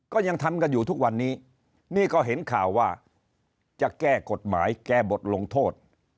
ก็ยังทำกันอยู่ทุกวันนี้นี่ก็เห็นข่าวว่าจะแก้กฎหมายแก้บทลงโทษ